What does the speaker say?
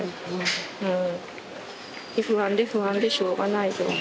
もう不安で不安でしょうがない状況。